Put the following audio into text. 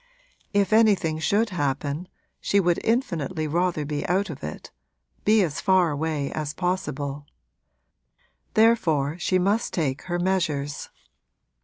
If anything should happen she would infinitely rather be out of it be as far away as possible. Therefore she must take her measures.